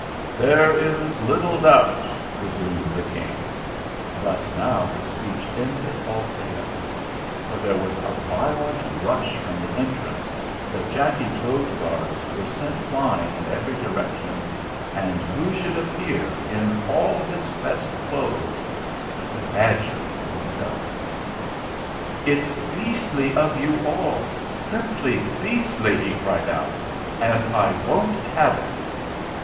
"There is little doubt " resumed the King; but now his speech ended altogether, for there was a violent rush from the entrance, the Jacky Toad guards were sent flying in every direction, and who should appear, in all his best clothes, but the badger himself! "It's beastly of you all simply beastly!" he cried out. "And I won't have it!"